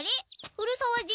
古沢仁